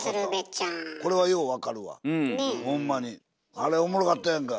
あれおもろかったやんか